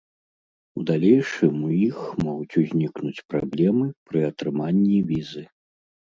У далейшым у іх могуць узнікнуць праблемы пры атрыманні візы.